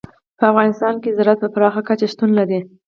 په افغانستان کې زراعت په پراخه کچه شتون لري.